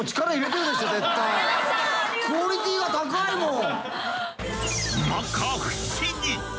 クオリティが高いもん！